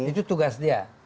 itu tugas dia